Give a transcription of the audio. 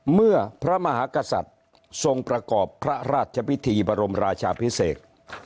เมื่อพระมหากษัตริย์ทรงประกอบพระราชพิธีบรมราชาพิเศษ